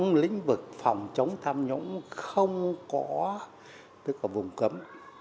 trong lĩnh vực phòng chống tham nhũng không có tất cả vùng cấm